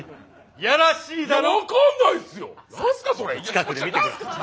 近くで見て下さい。